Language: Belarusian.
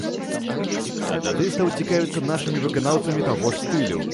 А тады стаў цікавіцца нашымі выканаўцамі таго ж стылю.